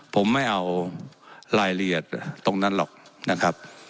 ผมไม่เอารายละเอียดตรงนั้นหรอก